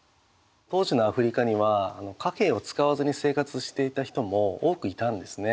当時のアフリカには貨幣を使わずに生活していた人も多くいたんですね。